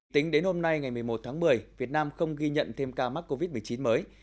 tính đến hôm nay ngày một mươi một tháng một mươi việt nam không ghi nhận thêm ca mắc covid một mươi chín mới